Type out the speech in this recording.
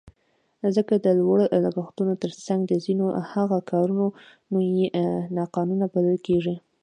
ځکه د لوړو لګښتونو تر څنګ د ځینو هغو کارونه یې ناقانونه بلل کېږي.